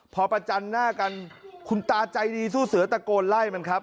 พอประจันหน้ากันคุณตาใจดีสู้เสือตะโกนไล่มันครับ